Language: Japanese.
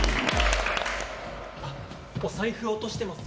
お財布、落としてます。